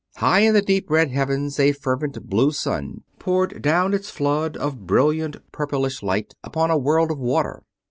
High in the deep red heavens a fervent blue sun poured down its flood of brilliant purplish light upon a world of water.